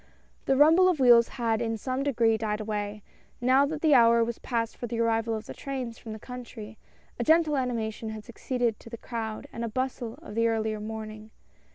The rumble of wheels had in some degree died away, now that the hour was past for the arrival of the trains from the country — a gentle animation had succeeded to the crowd and bustle of the earlier morning.